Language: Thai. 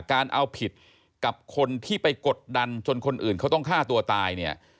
การเอาผิดกับคนที่ไปกดดันจนคนอื่นเขาต้องฆ่าตัวตายเนี่ย